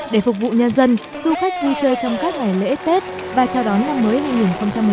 để phục vụ nhân dân du khách vui chơi trong các ngày lễ tết và chào đón năm mới hai nghìn một mươi chín